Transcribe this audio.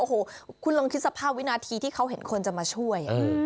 โอ้โหคุณลองคิดสภาพวินาทีที่เขาเห็นคนจะมาช่วย